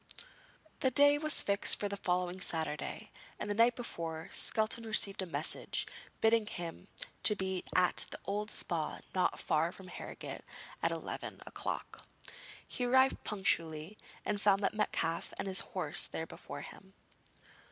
The day was fixed for the following Saturday, and the night before, Skelton received a message bidding him to be at the old Spa not far from Harrogate at eleven o'clock. He arrived punctually, but found Metcalfe and his horse there before him.